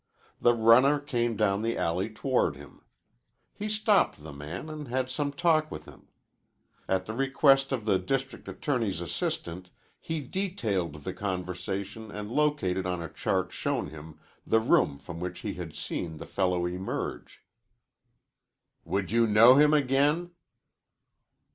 The runner came down the alley toward him. He stopped the man and had some talk with him. At the request of the district attorney's assistant he detailed the conversation and located on a chart shown him the room from which he had seen the fellow emerge. "Would you know him again?"'